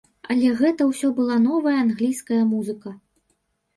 Але гэта ўсё была новая англійская музыка.